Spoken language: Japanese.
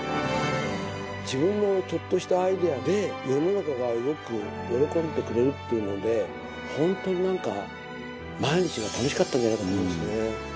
自分のちょっとしたアイデアで、世の中が動く、喜んでくれるっていうので、本当になんか、毎日が楽しかったんじゃないかと思うんですね。